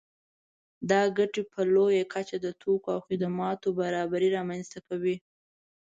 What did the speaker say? دا ګټې په لویه کچه د توکو او خدماتو برابري رامنځته کوي